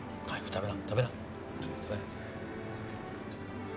食べな。